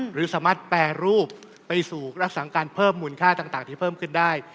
หรือสามารถแปรรูปไปสู่รักษาการเพิ่มมูลค่าต่างที่เพิ่มขึ้นได้